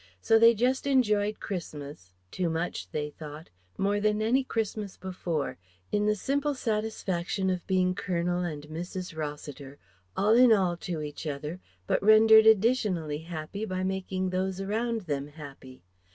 So they just enjoyed Christmas too much, they thought, more than any Christmas before in the simple satisfaction of being Colonel and Mrs. Rossiter, all in all to each other, but rendered additionally happy by making those about them happy.